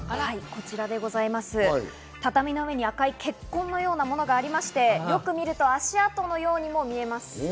畳の上に赤い血痕のようなものがありまして、よく見ると足跡のようにも見えます。